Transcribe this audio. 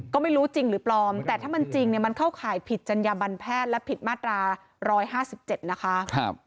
ก็ไม่รู้จริงหรือปลอมแต่ถ้ามันจริงเนี่ยมันเข้าข่ายผิดจัญญาบันแพทย์และผิดมาตรา๑๕๗นะคะ